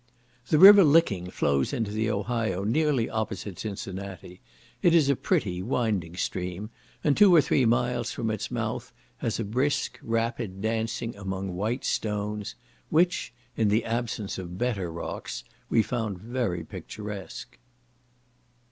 The river Licking flows into the Ohio nearly opposite Cincinnati; it is a pretty winding stream, and two or three miles from its mouth has a brisk rapid, dancing among white stones, which, in the absence of better rocks, we found very picturesque.